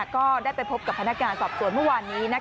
ก็ได้ไปพบกับพนักงานสอบสวนเมื่อวานนี้